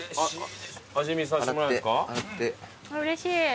うれしい。